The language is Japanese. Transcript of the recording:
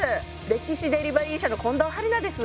歴史デリバリー社の近藤春菜です。